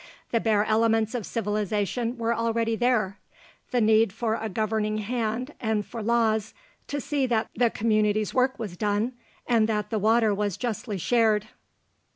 The bare elements of civilization were already there: the need for a governing hand and for laws to see that the communities' work was done and that the water was justly shared.